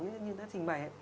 như chúng ta trình bày